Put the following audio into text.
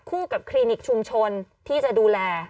กล้องกว้างอย่างเดียว